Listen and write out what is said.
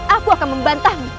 aku akan membantahmu